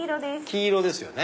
黄色ですよね。